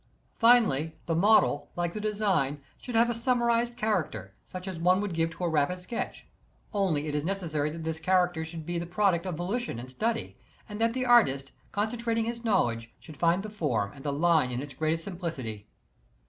Finally, the model, like the design, should have a summarized character, such as one would give to a rapid sketch. Only it is necessar) that this character should be the product of volition and study, and that the artist, concen trating his knowledge, should find the form and the line in its greatest simplicity.